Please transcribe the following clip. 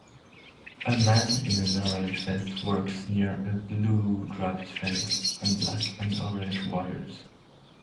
A man in an orange vest works near a bluedraped fence and black and orange wires.